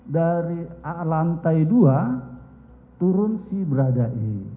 dari lantai dua turun si berada e